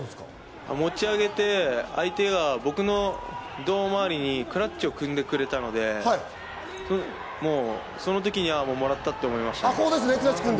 持ち上げて相手が僕の胴回りにクラッチを組んでくれたので、その時にはもらったと思いましたね。